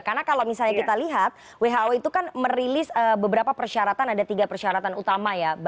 karena kalau misalnya kita lihat who itu kan merilis beberapa persyaratan ada tiga persyaratan utama ya